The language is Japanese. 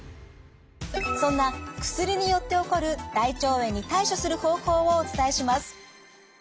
そんな薬によって起こる大腸炎に対処する方法をお伝えします。